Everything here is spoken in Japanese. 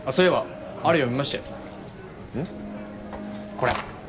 これ！